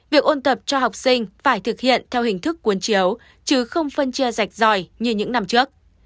việc ôn tập cho học sinh phải thực hiện theo hình thức cuốn chiếu chứ không phân chia rạch ròi như những năm trước